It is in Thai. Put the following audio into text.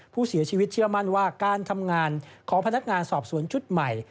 ผู้เสียชีวิตเชื่อมั่นว่าการทำงานของพนักงานสอบสวนชุดใหม่